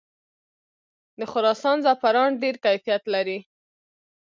د خراسان زعفران ډیر کیفیت لري.